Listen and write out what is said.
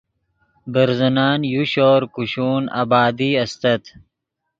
برزنن یو شور کوشون آبادی استت